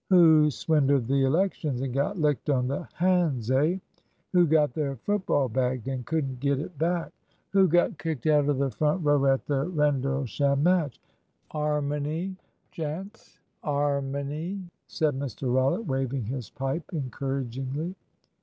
"Who swindled at Elections and got licked on the hands, eh!" "Who got their football bagged, and couldn't get it back?" "Who got kicked out of the front row at the Rendlesham match?" "'Armony, gents, 'armony," said Mr Rollitt, waving his pipe encouragingly.